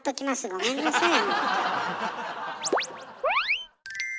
ごめんなさい。